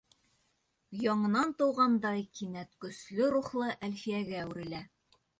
Яңынан тыуғандай, кинәт көслө рухлы Әлфиәгә әүерелә.